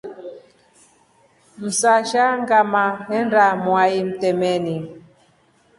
Msasha ngama honde mwai mtemeni.